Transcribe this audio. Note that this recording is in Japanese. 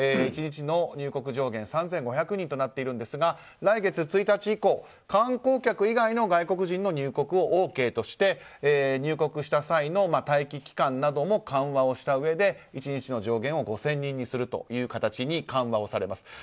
１日の入国上限３５００人となっているんですが来月１日以降観光客以外の外国人の入国をＯＫとして入国した際の待機期間なども緩和したうえで１日の上限を５０００人にする形に緩和をされます。